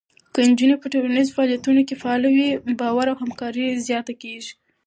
که نجونې په ټولنیزو فعالیتونو کې فعاله وي، باور او همکاري زیاته کېږي.